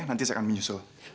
nanti saya akan menyusul